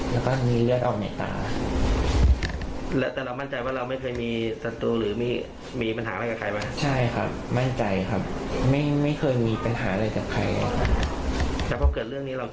แล้วพอเกิดเรื่องนี้เราคิดอย่างไรต่อค่ะหลังจากนี้